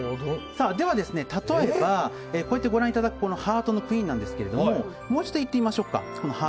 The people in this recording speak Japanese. では、例えばこうやってご覧いただくハートのクイーンなんですがもう一度いってみましょうか。